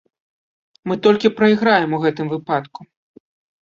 Мы толькі прайграем у гэтым выпадку.